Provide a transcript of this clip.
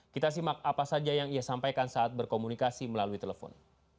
kita simak apa saja yang ia sampaikan saat berkomunikasi melalui telepon